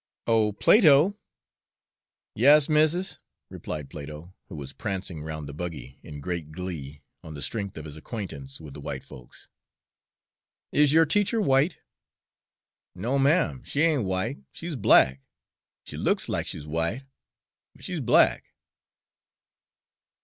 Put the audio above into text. Oh, Plato!" "Yas, missis," replied Plato, who was prancing round the buggy in great glee, on the strength of his acquaintance with the white folks. "Is your teacher white?" "No, ma'm, she ain't w'ite; she's black. She looks lack she's w'ite, but she's black."